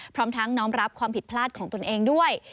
พร้อมทั้งน้อมรับความผิดพลาดของตนเองด้วย